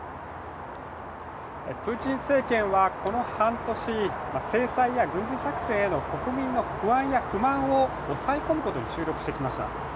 プーチン政権はこの半年、制裁や軍事作戦への国民の不安や不満を抑え込むことに注力してきました。